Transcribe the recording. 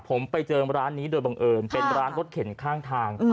ผมไปเจอร้านนี้โดยบังเอิญเป็นร้านรถเข็นข้างทาง